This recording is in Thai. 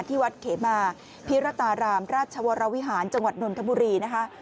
ที่วัดเขมาพิรตารามราชวรวิหารจังหวัดนนทบุรีนะคะ